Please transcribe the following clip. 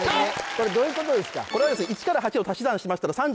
これどういうことですか？